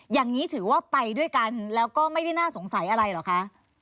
อย่างนี้ถือว่าไปด้วยกันแล้วก็ไม่ได้น่าสงสัยอะไรเหรอคะ